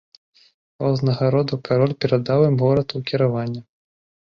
Ва ўзнагароду кароль перадаў ім горад у кіраванне.